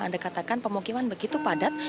dan pemukiman begitu padat